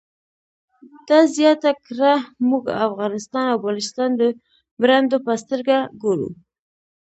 ده زیاته کړه موږ افغانستان او بلوچستان د برنډو په سترګه ګورو.